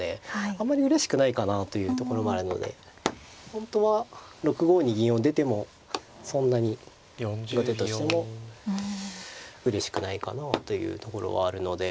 あんまりうれしくないかなというところもあるので本当は６五に銀を出てもそんなに後手としてもうれしくないかなというところはあるので。